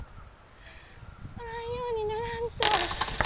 おらんようにならんと。